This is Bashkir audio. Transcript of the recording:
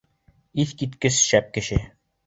Иҫ киткес шәп кеше.